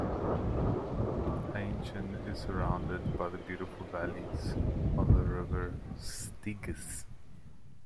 Hainichen is surrounded by the beautiful valleys of the river Striegis.